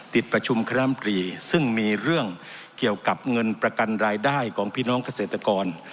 ติดประชุมคณะมตรีซึ่งมีเรื่องเกี่ยวกับเงินประกันรายได้ของพี่น้องเกษตรกร